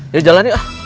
yuk jalan yuk